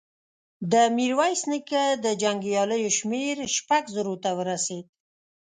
د ميرويس نيکه د جنګياليو شمېر شپږو زرو ته ورسېد.